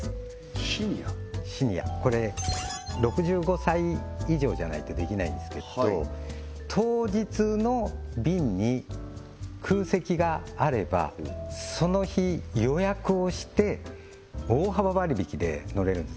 シニアこれ６５歳以上じゃないとできないんですけど当日の便に空席があればその日予約をして大幅割引で乗れるんです